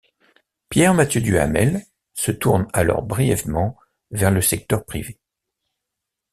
Pierre-Mathieu Duhamel se tourne alors brièvement vers le secteur privé.